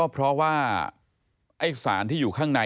สารขี้ที่อยู่ข้างใน